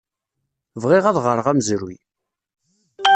Bɣiɣ ad ɣreɣ amezruy.